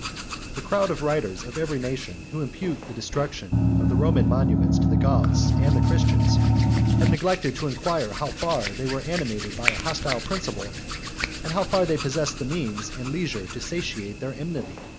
The crowd of writers of every nation, who impute the destruction of the Roman monuments to the Goths and the Christians, have neglected to inquire how far they were animated by a hostile principle, and how far they possessed the means and the leisure to satiate their enmity.